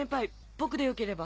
僕でよければ。